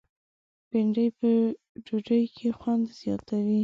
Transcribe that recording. بېنډۍ په ډوډۍ کې خوند زیاتوي